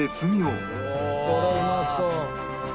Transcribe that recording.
これうまそう。